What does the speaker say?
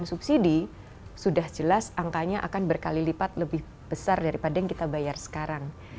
subsidi sudah jelas angkanya akan berkali lipat lebih besar daripada yang kita bayar sekarang